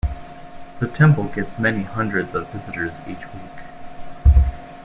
The temple gets many hundreds of visitors each week.